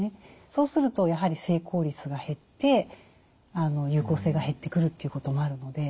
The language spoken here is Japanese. そうするとやはり成功率が減って有効性が減ってくるということもあるので。